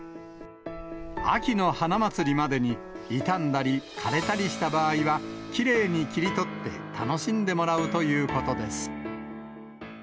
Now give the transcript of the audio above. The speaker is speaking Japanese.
秋の花まつりまでに、傷んだり、枯れたりした場合は、きれいに切り取って、楽しんでもらうということです。